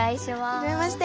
はじめまして。